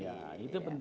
ya itu penting